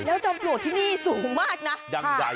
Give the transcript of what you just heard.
แล้วจอมปลวกที่นี่สูงมากนะค่ะ